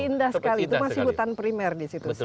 indah sekali itu masih hutan primer disitu saya lihat